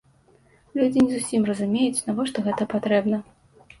Людзі не зусім разумеюць, навошта гэта патрэбна.